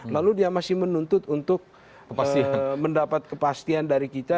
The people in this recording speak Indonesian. lalu dia masih menuntut untuk mendapat kepastian dari kita